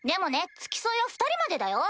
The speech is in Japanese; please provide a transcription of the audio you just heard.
付き添いは２人までだよ。